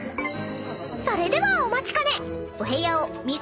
［それではお待ちかね］